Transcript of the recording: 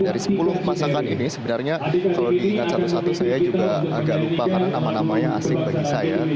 dari sepuluh masakan ini sebenarnya kalau diingat satu satu saya juga agak lupa karena nama namanya asing bagi saya